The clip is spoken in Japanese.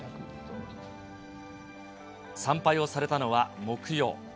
参拝をされたのは木曜。